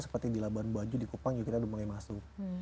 seperti di labuan bajo di kupang juga kita udah mulai masuk